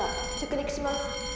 着陸します」。